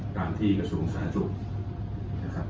ตามที่กระทรูของสนาจุบ